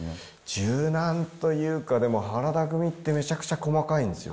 柔軟というか、でも原田組ってめちゃくちゃ細かいんですよ。